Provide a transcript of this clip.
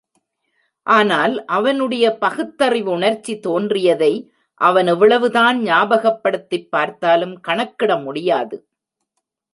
ஆனால், அவனுடைய பகுத்தறிவு உணர்ச்சி தோன்றியதை, அவன் எவ்வளவு தான் ஞாபகப்படுத்திப் பார்த்தாலும் கணக்கிட முடியாது.